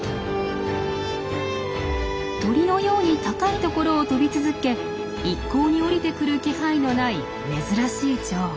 鳥のように高い所を飛び続け一向に降りてくる気配のない珍しいチョウ。